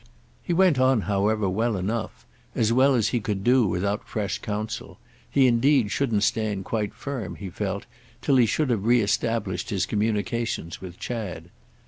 He went on however well enough, as well as he could do without fresh counsel; he indeed shouldn't stand quite firm, he felt, till he should have re established his communications with Chad.